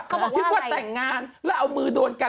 เขาบอกคิดว่าแต่งงานแล้วเอามือโดนกัน